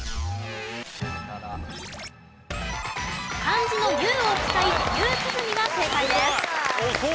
漢字の「夕」を使い夕涼みが正解です。